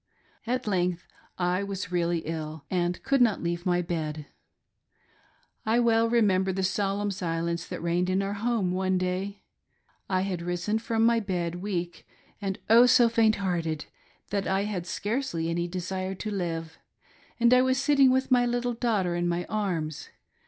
At length I was really ill, and could not leave my bed. I well remember the solemn silence that reigned in our home one day. I had risen from my bed, weak, and Oh, so faint hearted, that I had scarcely any desire to live; and I was sitting with my little daughter in my arms.